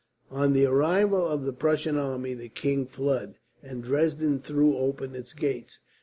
On the arrival of the Prussian army the king fled, and Dresden threw open its gates.